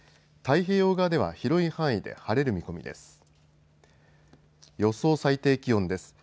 太平洋側では広い範囲で晴れる見込みです。